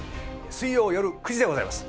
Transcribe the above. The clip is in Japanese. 水曜よる９時でございます。